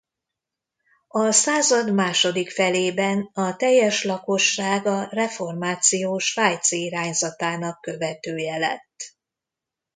A század második felében a teljes lakosság a reformáció svájci irányzatának követője lett.